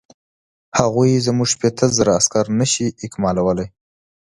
هغوی زموږ شپېته زره عسکر نه شي اکمالولای.